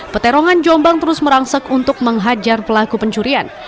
peterongan jombang terus merangsek untuk menghajar pelaku pencurian